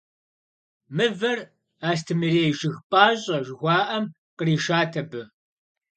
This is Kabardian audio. Мывэр «Астемырей жыг пӀащӀэ» жыхуаӀэм къришат абы.